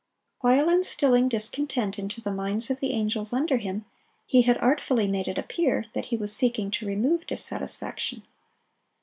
While instilling discontent into the minds of the angels under him, he had artfully made it appear that he was seeking to remove dissatisfaction.